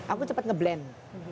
aku cepat ngeblend